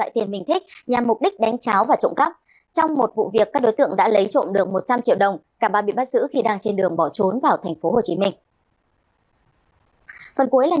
xin chào các bạn